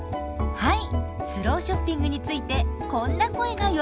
はい。